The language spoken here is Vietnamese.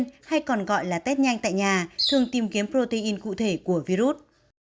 xét nghiệm kháng nguyên hay còn gọi là test nhanh tại nhà thường tìm kiếm protein cụ thể của virus